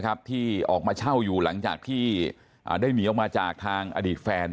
ที่ออกมาเช่าอยู่หลังจากที่ได้หนีออกมาจากทางอดีตแฟน